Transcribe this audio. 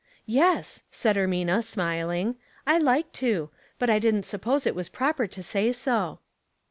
" Yes," said Ermina, smiling, " I like to ; but I didn't suppose it was proper to say so."